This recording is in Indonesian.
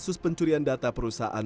kasus pencurian data perusahaan